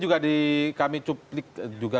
juga kami cuplik juga